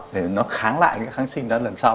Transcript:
để nó kháng lại những kháng sinh đó lần sau